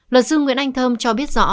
luật sư nguyễn anh thơm cho biết rõ